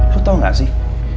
lo tau gak sih